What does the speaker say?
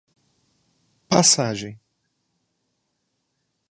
Passagem